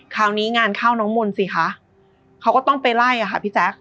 คราวนี้งานเข้าน้องมนต์สิคะเขาก็ต้องไปไล่อะค่ะพี่แจ๊ค